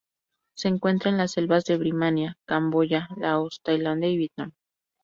Se encuentra en las selvas de Birmania, Camboya, Laos, Tailandia y Vietnam.